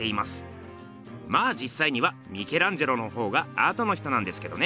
まあじっさいにはミケランジェロのほうがあとの人なんですけどね。